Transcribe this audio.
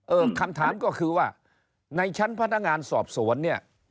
คำถามก็คือว่าในชั้นพนักงานสอบสวนเนี่ย